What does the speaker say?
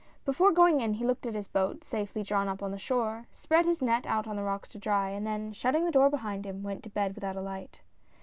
Before going in he looked at his boat, safely drawn up on the shore, spread his net out on the rocks to dry, and then shutting the door behind him, went to bed without a light.